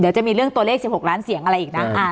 เดี๋ยวจะมีเรื่องตัวเลข๑๖ล้านเสียงอะไรอีกนะ